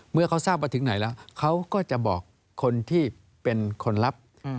เมื่อเขาทราบว่าถึงไหนแล้วเขาก็จะบอกคนที่เป็นคนรับ